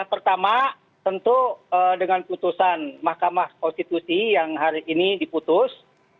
pertama tentu dengan putusan mahkamah konstitusi yang hari ini diputus